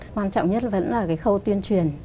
quan trọng nhất vẫn là cái khâu tuyên truyền